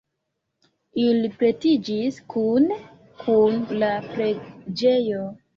Ili pretiĝis kune kun la preĝejo.